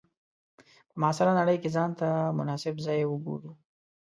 په معاصره نړۍ کې ځان ته مناسب ځای وګورو.